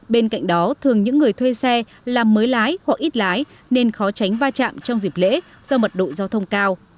bên cạnh đó thường những người thuê xe làm mới lái hoặc ít lái nên khó tránh va chạm trong dịp lễ do mật độ giao thông cao